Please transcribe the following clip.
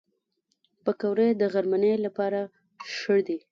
پکورې د غرمنۍ لپاره ښه دي